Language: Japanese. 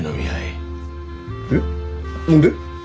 何で？